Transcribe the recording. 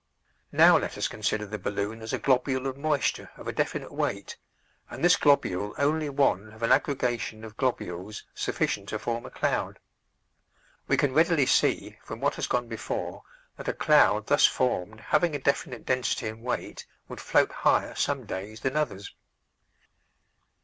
Now let us consider the balloon as a globule of moisture of a definite weight, and this globule only one of an aggregation of globules sufficient to form a cloud. We can readily see from what has gone before that a cloud thus formed, having a definite density and weight, would float higher some days than others.